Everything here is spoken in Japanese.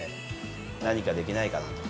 何かできないかなと。